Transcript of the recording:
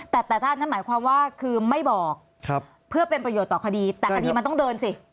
แต่ถ้าอันนั้นหมายความว่าคือไม่บอกเพื่อเป็นประโยชน์ต่อคดีแต่คดีมันต้องเดินสิ